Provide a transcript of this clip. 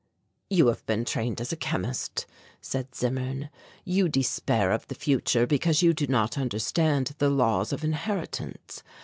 "You have been trained as a chemist," said Zimmern, "you despair of the future because you do not understand the laws of inheritance.